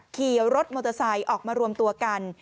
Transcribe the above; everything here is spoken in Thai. ขี่รถมอเตอร์ไซค์ออกมารวมตัวกัน